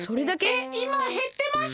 えいまへってました？